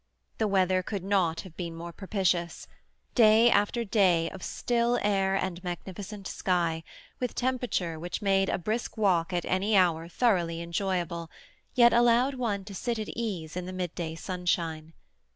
The weather could not have been more propitious; day after day of still air and magnificent sky, with temperature which made a brisk walk at any hour thoroughly enjoyable, yet allowed one to sit at ease in the midday sunshine.